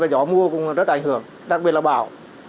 gió mùa cũng rất ảnh hưởng đặc biệt là bão